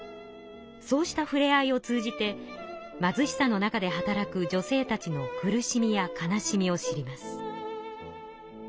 そうしたふれ合いを通じて貧しさの中で働く女性たちの苦しみや悲しみを知ります。